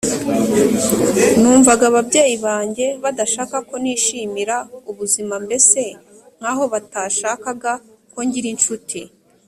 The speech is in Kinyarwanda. numvaga ababyeyi banjye badashaka ko nishimira ubuzima mbese nk aho batashakaga ko ngira incuti